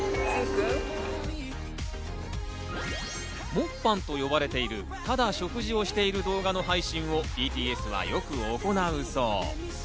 モッパンと呼ばれているただ食事をしている動画の配信をＢＴＳはよく行うそう。